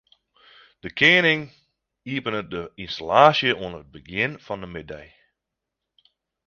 De kening iepenet de ynstallaasje oan it begjin fan de middei.